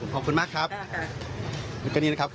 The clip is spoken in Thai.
ขอบคุณมากครับ